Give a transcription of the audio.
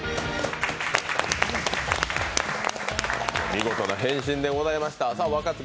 見事な変身でございました。